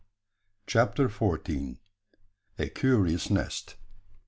CHAPTER FOURTEEN. A CURIOUS NEST.